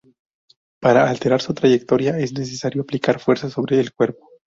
Para alterar su trayectoria, es necesario aplicar fuerza sobre el cuerpo.